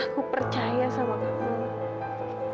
aku percaya sama kamu